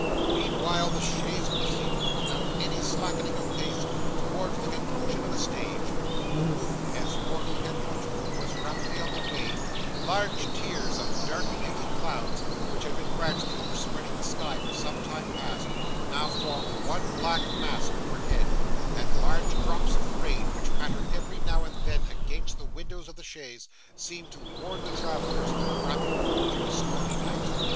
Meanwhile the chaise proceeded, without any slackening of pace, towards the conclusion of the stage. The moon, as Wardle had foretold, was rapidly on the wane; large tiers of dark, heavy clouds, which had been gradually overspreading the sky for some time past, now formed one black mass overhead; and large drops of rain which pattered every now and then against the windows of the chaise, seemed to warn the travellers of the rapid approach of a stormy night.